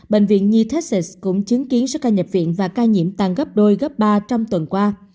bệnh viện như texas cũng chứng kiến sức ca nhập viện và ca nhiễm tăng gấp đôi gấp ba trong tuần qua